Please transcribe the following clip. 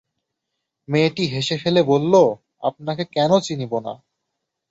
মেয়েটি হেসে ফেলে বলল, আপনাকে কেন চিনিব না?